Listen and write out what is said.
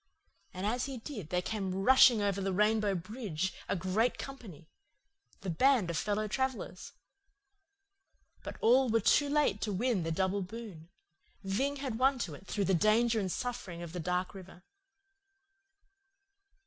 And as he did there came rushing over the Rainbow Bridge a great company the band of fellow travellers. But all were too late to win the double boon. Ving had won to it through the danger and suffering of the dark river."